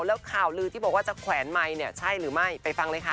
แล้วข่าวลือที่บอกว่าจะแขวนไมค์เนี่ยใช่หรือไม่ไปฟังเลยค่ะ